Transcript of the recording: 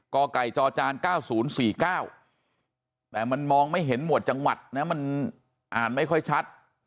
กไก่จจ๙๐๔๙แต่มันมองไม่เห็นหมวดจังหวัดนะมันอ่านไม่ค่อยชัด